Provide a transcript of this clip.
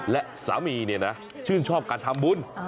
และสามีชื่นชอบการทำบุญ